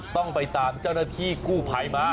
ต้องไปตามเจ้าหน้าที่กู้ภัยมา